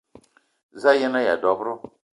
Za a yen-aya dob-ro?